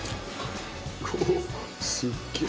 おおすっげえ。